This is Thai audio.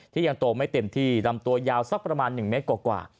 ยังโตไม่เต็มที่ลำตัวยาวสักประมาณ๑เมตรกว่า